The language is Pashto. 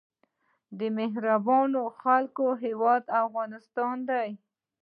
د مهربانو خلکو هیواد افغانستان.